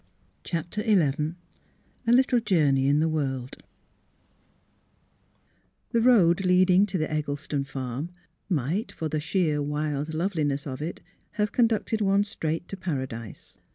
CHAPTER XI A LITTLE JOURNEY IN THE WORLD The road leading to the Eggleston farm might — for the sheer wild loveliness of it — have conducted one straight to Paradise.